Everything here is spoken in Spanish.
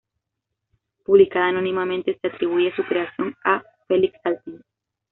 Publicada anónimamente, se atribuye su creación a Felix Salten.